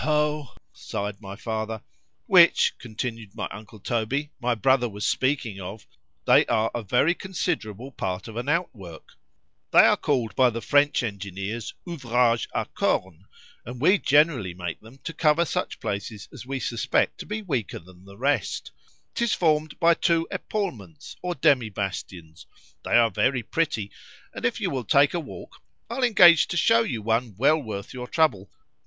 ho! sigh'd my father) which, continued my uncle Toby, my brother was speaking of, they are a very considerable part of an outwork;——they are called by the French engineers, Ouvrage à corne, and we generally make them to cover such places as we suspect to be weaker than the rest;—'tis formed by two epaulments or demi bastions—they are very pretty,—and if you will take a walk, I'll engage to shew you one well worth your trouble.